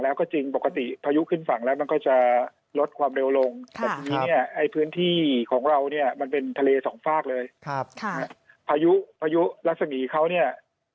รัฐสมีศเขาอยู่ในทะเลสองด้านเลย